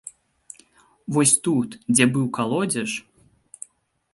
Вось тут, дзе быў калодзеж.